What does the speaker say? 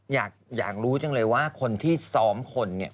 อยากรู้จังเลยว่าคนที่ซ้อมคนเนี่ย